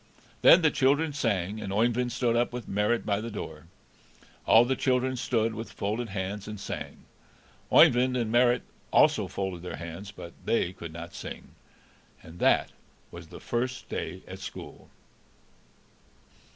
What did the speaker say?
Then the children sang, and Oeyvind stood with Marit by the door. All the children stood with folded hands and sang. Oeyvind and Marit also folded their hands, but they could not sing. And that was the first day at school.